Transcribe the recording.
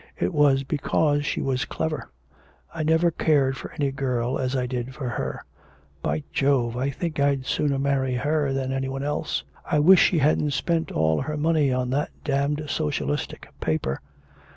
It was because she was clever. I never cared for any girl as I did for her. By Jove, I think I'd sooner marry her than any one else. I wish she hadn't spent all her money on that damned socialistic paper.'